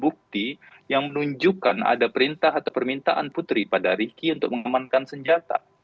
bukti yang menunjukkan ada perintah atau permintaan putri pada ricky untuk mengamankan senjata